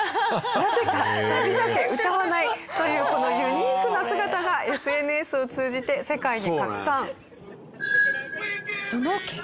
なぜかサビだけ歌わないというこのユニークな姿がＳＮＳを通じて世界に拡散。